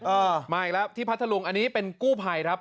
อ่ามาอีกแล้วที่พระทะลุงอันนี้เป็นกู้ไพรครับ